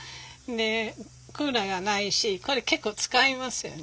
でクーラーがないしこれ結構使いますよね。